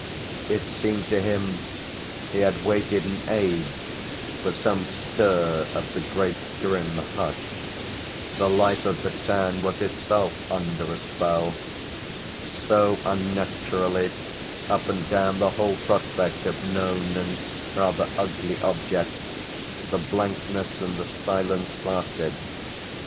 It seemed to him he had waited an age for some stir of the great grim hush; the life of the town was itself under a spell so unnaturally, up and down the whole prospect of known and rather ugly objects, the blankness and the silence lasted.